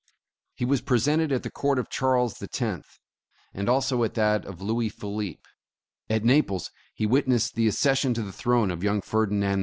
He was presented at the Court of Charles the Tenth : and also at that of Louis Philippe ; at Naples he witness ed the accession to the throne of young Ferdinand II.